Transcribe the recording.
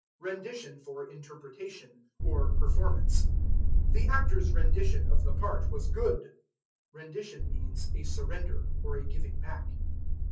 Rendition for Interpretation, or Performance. "The actor's rendition of the part was good." Rendition means a surrender, or a giving back.